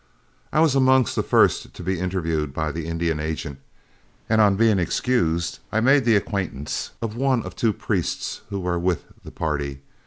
I was amongst the first to be interviewed by the Indian agent, and on being excused, I made the acquaintance of one of two priests who were with the party.